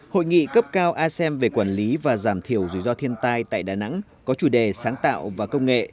hội nghị cấp cao asem về quản lý và giảm thiểu rủi ro thiên tai tại đà nẵng có chủ đề sáng tạo và công nghệ